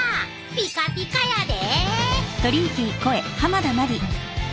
ピカピカやで！